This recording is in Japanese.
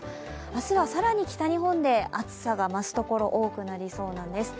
明日は更に北日本で暑さが増すところが多くなりそうなんです。